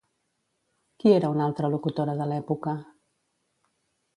Qui era una altra locutora de l'època?